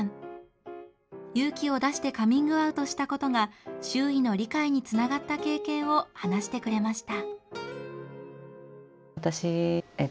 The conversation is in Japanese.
勇気を出してカミングアウトしたことが周囲の理解につながった経験を話してくれました。